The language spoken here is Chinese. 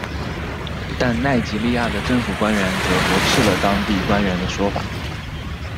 但奈及利亚的政府官员则驳斥了当地官员的说法。